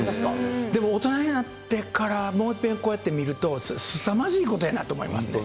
でも大人になってから、もういっぺん、こうやって見るとすさまじいことやなと思いますね。